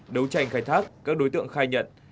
đấu tranh khai thác các đối tượng khai nhận